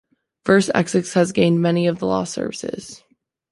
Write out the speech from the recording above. First Essex has gained many of the lost services.